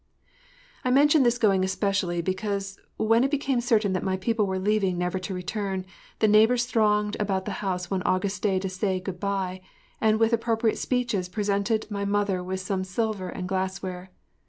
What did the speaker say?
I mention this going especially because, when it became certain that my people were leaving never to return, the neighbors thronged about the house one August day to say good by, and with appropriate speeches presented mother with some silver and glassware.